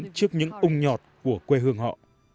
đến trước những ung nhọt của quê hương họ